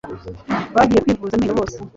bagiye kwivuza amenyo bose